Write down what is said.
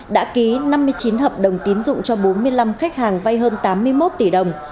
đã ký năm mươi chín hợp đồng tín dụng cho bốn mươi năm khách hàng vay hơn tám mươi một tỷ đồng